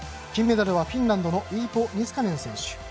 金メダルはフィンランドのイーボ・ニスカネン選手。